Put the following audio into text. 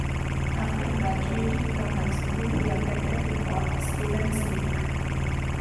After graduating from high school he attended the Art Students League.